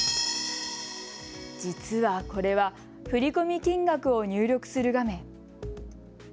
実は、これは振り込み金額を入力する画面。